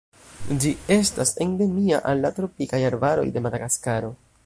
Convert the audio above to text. Ĝi estas endemia al la tropikaj arbaroj de Madagaskaro.